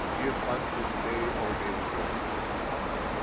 71 Give us this day our daily bread.